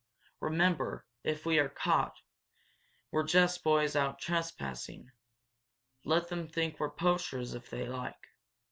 Remember, if we are caught, we're just boys out trespassing. Let them think we're poachers, if they like."